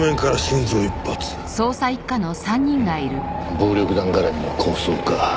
暴力団絡みの抗争か。